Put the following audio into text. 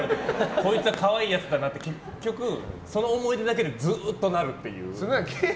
こいつは可愛いやつだなってその思い出だけでずっとなるっていう。